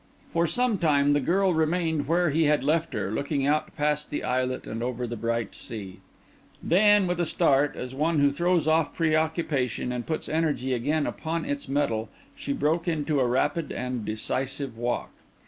For some time the girl remained where he had left her, looking out past the islet and over the bright sea. Then with a start, as one who throws off preoccupation and puts energy again upon its mettle, she broke into a rapid and decisive walk.